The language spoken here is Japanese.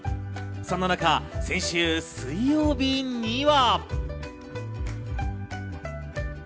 そんな中、先週水曜日には。